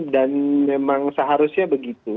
dan memang seharusnya begitu